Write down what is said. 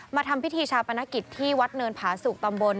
ทำพิธีชาปนกิจที่วัดเนินผาสุกตำบล